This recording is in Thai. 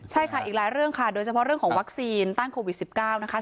ใช่ค่ะอีกหลายเรื่องค่ะโดยเฉพาะเรื่องของวัคซีนต้านโควิด๑๙นะคะ